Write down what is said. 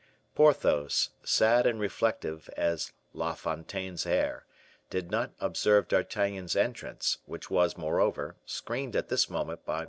Porthos, sad and reflective as La Fontaine's hare, did not observe D'Artagnan's entrance, which was, moreover, screened at this moment by M.